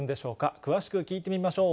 詳しく聞いてみましょう。